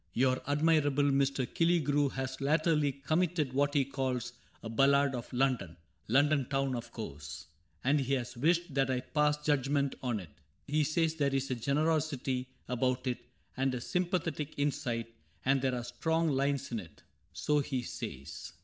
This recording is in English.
Your admirable Mr. Killigrew CAPTAIN CRAIG 47 Has latterly committed what he calls A Ballad of London — London ' Town,' of course — And he has wished that I pass judgment on it. He says there is a ^ generosity ' About it, and a ^ sympathetic insight ;' And there are strong lines in it, so he says.